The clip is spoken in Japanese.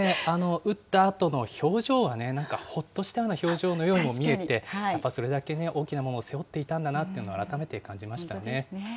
打ったあとの表情がね、なんかほっとしたような表情のようにも見えて、やっぱりそれだけ大きなものを背負っていたんだなというのを改め本当ですね。